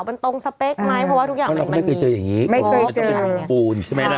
มันตรงสเปคไหมเพราะว่าทุกอย่างมันมันมีไม่เคยเจออย่างงี้ไม่เคยเจอ